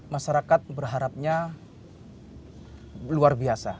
masyarakat berharapnya luar biasa